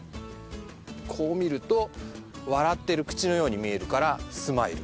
こう見ると笑ってる口のように見えるからスマイル。